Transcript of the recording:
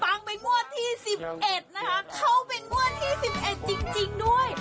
ไปงวดที่๑๑นะคะเข้าเป็นงวดที่๑๑จริงด้วย